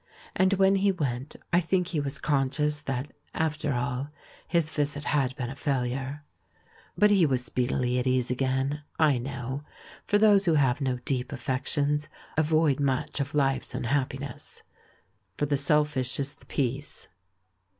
And when he went, I think he was conscious that, after all, his visit had been a failure. But he was speedily at ease again, I know, tor those who have no deep affections avoid much of life's unhappiness. For the selfish is the peace.